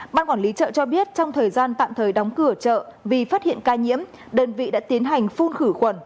ban quản lý chợ cho biết trong thời gian tạm thời đóng cửa chợ vì phát hiện ca nhiễm đơn vị đã tiến hành phun khử khuẩn